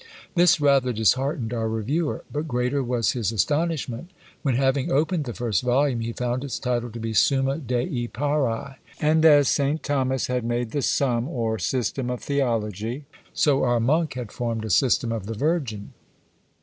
This rather disheartened our reviewer: but greater was his astonishment, when, having opened the first volume, he found its title to be Summa Dei paræ; and as Saint Thomas had made a Sum, or System of Theology, so our monk had formed a System of the Virgin!